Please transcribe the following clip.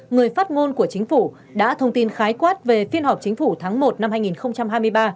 người phát ngôn của chính phủ đã thông tin khái quát về phiên họp chính phủ tháng một năm hai nghìn hai mươi ba